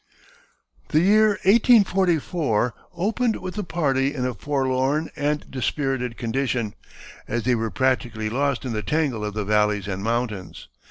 The year 1844 opened with the party in a forlorn and dispirited condition, as they were practically lost in the tangle of the valleys and mountains.